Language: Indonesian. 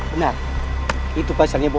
bener itu pacarnya boy